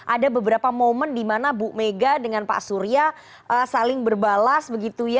ada beberapa momen di mana bu mega dengan pak surya saling berbalas begitu ya